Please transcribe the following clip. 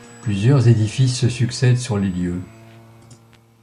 Plusieurs édifices se succèdent sur les lieux.